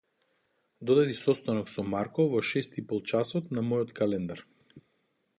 Додади состанок со Марко во шест ипол часот на мојот календар.